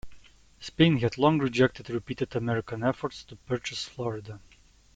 Spain had long rejected repeated American efforts to purchase Florida.